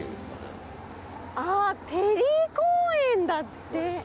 あっペリー公園だって。